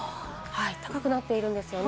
高くなっているんですよね。